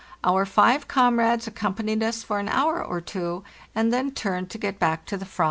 Our five comrades accompanied us for an hour or two and then turned to get back to the Fram ——& Sere, ES.